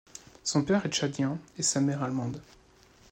Son père est Tchadien et sa mère Allemande.